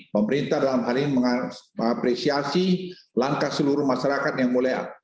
pemerintah dalam hal ini mengapresiasi langkah seluruh masyarakat yang mulai